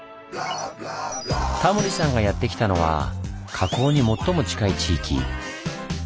タモリさんがやって来たのは火口に最も近い地域。